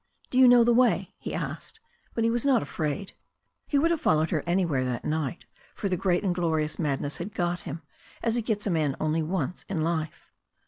"Do you know the way?" he asked. But he was not afraid. He would have followed her anywhere that night, for the great and glorious madness had got him, as it gets a man only once in life.